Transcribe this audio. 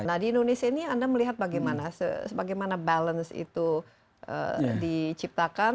nah di indonesia ini anda melihat bagaimana sebagaimana balance itu diciptakan